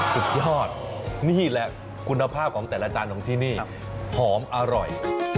สุดยอดนี่แหละคุณภาพของแต่ละจานของที่นี่หอมอร่อย